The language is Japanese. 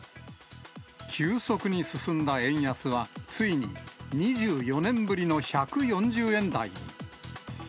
急速に進んだ円安は、ついに２４年ぶりの１４０円台に。